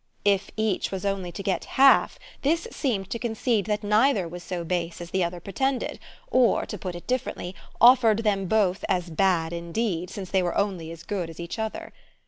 If each was only to get half this seemed to concede that neither was so base as the other pretended, or, to put it differently, offered them both as bad indeed, since they were only as good as each other.